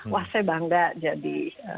wah saya bangga jadi